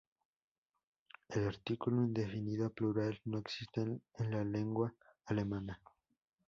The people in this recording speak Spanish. El artículo indefinido plural no existe en la lengua alemana.